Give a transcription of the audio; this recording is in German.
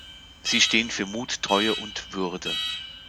Sie stehen für Mut, Treue und Würde.